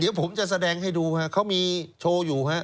เดี๋ยวผมจะแสดงให้ดูฮะเขามีโชว์อยู่ฮะ